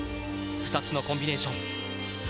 ２つのコンビネーション。